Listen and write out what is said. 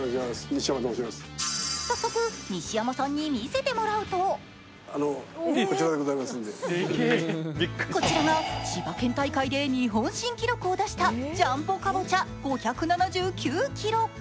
早速、西山さんに見せてもらうとこちらが千葉県大会で日本新記録を出したジャンボかぼちゃ５７９ｋｇ。